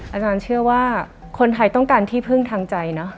อาจารย์เชื่อว่าคนไทยต้องการที่พึ่งทางใจเนอะ